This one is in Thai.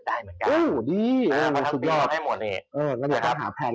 ได้เหมือนกันอู้วดีอู้วสุดยอดเออแล้วเดี๋ยวต้องหาแพลน